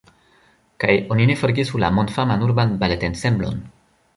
Kaj oni ne forgesu la mondfaman urban baletensemblon.